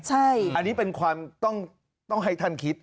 อันนี้เป็นความต้องให้ท่านคิด